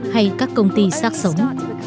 hay các công ty sát sống